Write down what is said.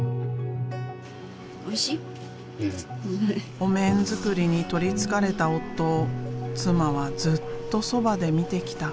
お面作りに取りつかれた夫を妻はずっとそばで見てきた。